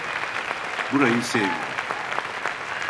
Burayı sevmiyorum.